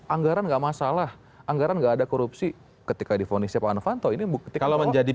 anggaran enggak masalah anggaran enggak ada korupsi ketika difonisnya pak novanto ini bukti kalau menjadi